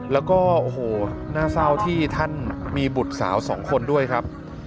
แล้วก็โอ้โหน่าเศร้าที่ท่านมีบุตรสาวสองคนด้วยครับ